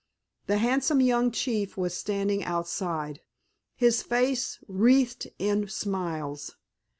The handsome young chief was standing outside, his face wreathed in smiles.